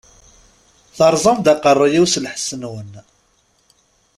Teṛṛẓam-d aqeṛṛu-yiw s lḥess-nwen!